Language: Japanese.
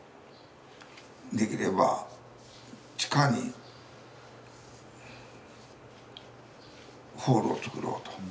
できれば地下にホールをつくろうと。